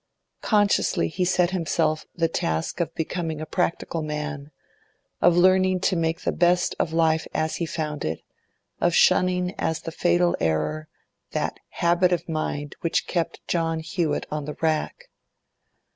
Consciously he set himself the task of becoming a practical man, of learning to make the best of life as he found it, of shunning as the fatal error that habit of mind which kept John Hewett on the rack.